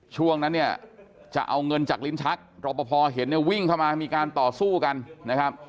ช่วงนั้นจะเอาเงินจากลิ้นชักรปภเห็นวิ่งเข้ามามีการต่อสู้กัน